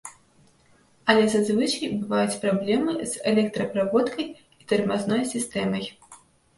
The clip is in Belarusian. Але зазвычай бываюць праблемы з электраправодкай і тармазной сістэмай.